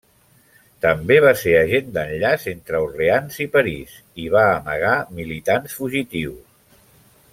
També va ser agent d'enllaç entre Orleans i París i va amagar militants fugitius.